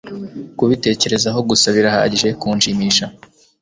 kubitekerezaho gusa birahagije kunshimisha